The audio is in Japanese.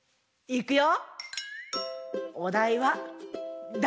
いくよ！